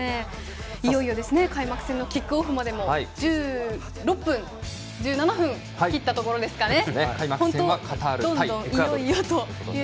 いよいよ開幕戦のキックオフまで１７分を切ったところですかね。